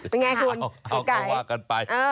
เป็นไงคุณ